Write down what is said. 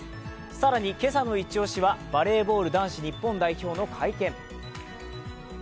更に今朝の一押しはバレーボール男子日本代表の会見。